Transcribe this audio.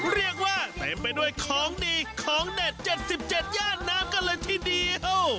เรียกว่าเต็มไปด้วยของดีของเด็ด๗๗ย่านน้ำกันเลยทีเดียว